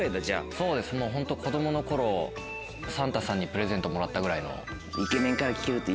そうですホント子供の頃サンタさんにプレゼントもらったぐらいの。